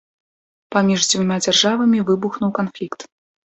Паміж дзвюма дзяржавамі выбухнуў канфлікт.